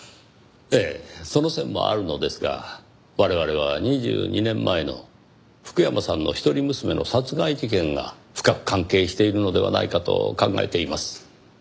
ええその線もあるのですが我々は２２年前の福山さんの一人娘の殺害事件が深く関係しているのではないかと考えています。